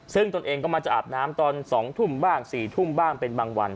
ซึ่งตนเองก็มาจะอาบน้ำตอน๒ทุ่มบ้าง๔ทุ่มบ้างเป็นบางวัน